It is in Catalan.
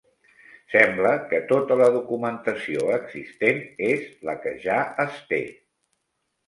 Sembla que tota la documentació existent és la que ja es té.